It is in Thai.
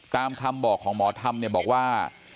ตามคำบอกของหมอธรรมเนี่ยบอกว่า